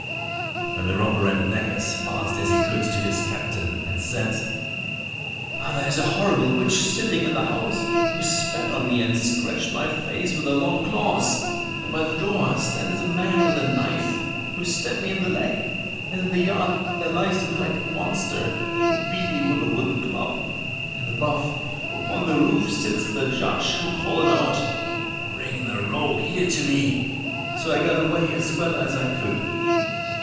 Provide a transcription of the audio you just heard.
Then the robber ran back as fast as he could to his captain, and said, "Ah, there is a horrible witch sitting in the house, who spat on me and scratched my face with her long claws; and by the door stands a man with a knife, who stabbed me in the leg; and in the yard there lies a black monster, who beat me with a wooden club; and above, upon the roof, sits the judge, who called out, 'Bring the rogue here to me!' so I got away as well as I could."